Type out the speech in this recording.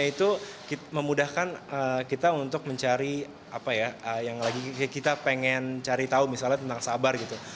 karena itu memudahkan kita untuk mencari apa ya yang lagi kita pengen cari tahu misalnya tentang sabar gitu